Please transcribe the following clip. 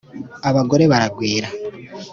Abagore baragwira